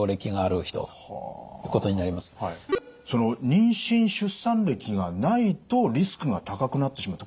妊娠・出産歴がないとリスクが高くなってしまうと。